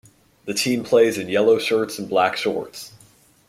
The team plays in yellow shirts and black shorts.